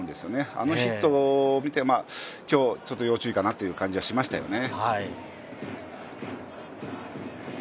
あのヒットを見て、今日、要注意かなという感じはしましたよね。